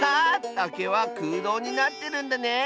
たけはくうどうになってるんだね！